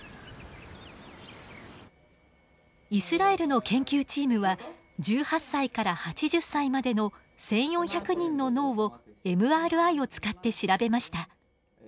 イスラエルの研究チームは１８歳から８０歳までの１，４００人の脳をＭＲＩを使って調べました。